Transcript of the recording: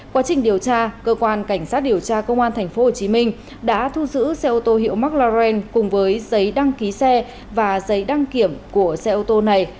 quá trình điều tra cơ quan cảnh sát điều tra công an tp hcm đã thu giữ xe ô tô hiệu mclaren cùng với giấy đăng ký xe và giấy đăng kiểm của xe ô tô này